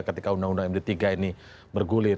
ketika undang undang md tiga ini bergulir